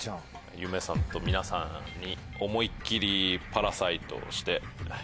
ゆめさんと皆さんに思いっきりパラサイトをして。